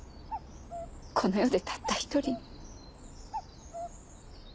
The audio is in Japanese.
この世でたった一人に。